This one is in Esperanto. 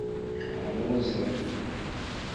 amuze